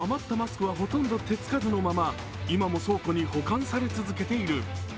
余ったマスクはほとんど手つかずのまま今も倉庫に保管され続けている。